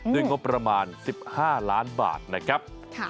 งบประมาณ๑๕ล้านบาทนะครับ